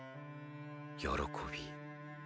喜び。